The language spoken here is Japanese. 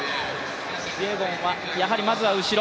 キピエゴンはやはりまずは後ろ。